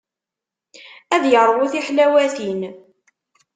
Ad yeṛwu tiḥlawatin.